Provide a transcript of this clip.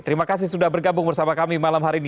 terima kasih sudah bergabung bersama kami malam hari ini